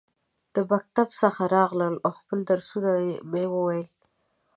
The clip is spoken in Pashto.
د مکتب څخه راغلم ، او خپل درسونه مې وویل.